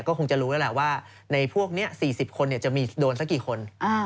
ก็คงจะรู้แล้วแหละว่าในพวกนี้๔๐คนจะมีโดนสักกี่คน